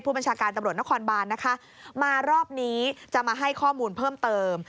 บัญชาการตำรวจนครบานนะคะมารอบนี้จะมาให้ข้อมูลเพิ่มเติม